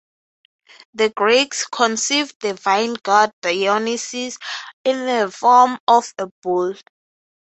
The Greeks conceived the vine-god Dionysus in the form of a bull.